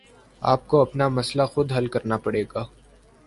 آپ کو اپنا مسئلہ خود حل کرنا پڑے گا